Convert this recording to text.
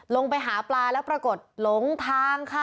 ลงไปหาปลาแล้วปรากฏหลงทางค่ะ